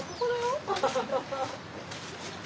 ・アハハハハ！